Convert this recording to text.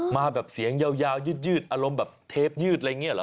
มาแบบเสียงยาวยืดอารมณ์แบบเทปยืดอะไรอย่างนี้เหรอ